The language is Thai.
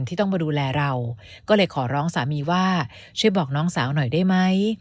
ที่ต้องมาดูแลเราก็เลยขอร้องสามีว่าช่วยบอกน้องสาวหน่อยได้ไหม